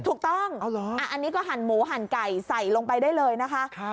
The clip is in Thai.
ถูกต้องอันนี้ก็หั่นหมูหั่นไก่ใส่ลงไปได้เลยนะคะ